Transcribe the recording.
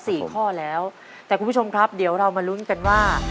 สี่ข้อแล้วแต่คุณผู้ชมครับเดี๋ยวเรามาลุ้นกันว่า